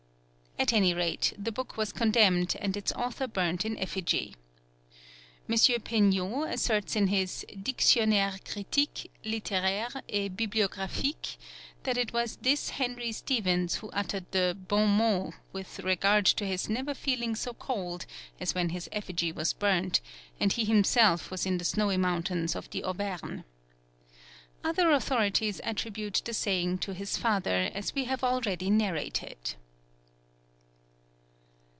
At any rate, the book was condemned and its author burnt in effigy. M. Peignot asserts in his Dictionnaire Critique, Littéraire, et Bibliographique that it was this Henry Stephens who uttered the bon mot with regard to his never feeling so cold as when his effigy was being burnt and he himself was in the snowy mountains of the Auvergne. Other authorities attribute the saying to his father, as we have already narrated.